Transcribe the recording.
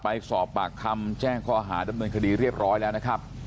ไปสอบปากคำแจ้งข้อหาดำเนินคดีเรียบร้อยแล้วนะครับ